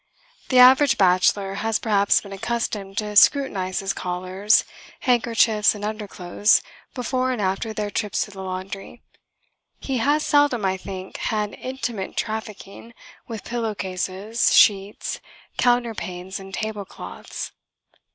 The average bachelor has perhaps been accustomed to scrutinise his collars, handkerchiefs and underclothes before and after their trips to the laundry. He has seldom, I think, had intimate trafficking with pillow cases, sheets, counterpanes and tablecloths.